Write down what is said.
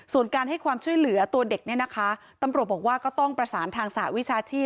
ส่วนการให้ความช่วยเหลือตัวเด็กเนี่ยนะคะตำรวจบอกว่าก็ต้องประสานทางสหวิชาชีพ